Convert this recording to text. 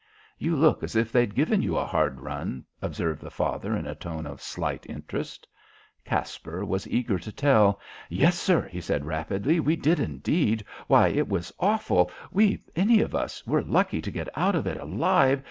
"You look as if they'd given you a hard run," observed the father in a tone of slight interest. Caspar was eager to tell. "Yes, sir," he said rapidly. "We did, indeed. Why, it was awful. We any of us were lucky to get out of it alive.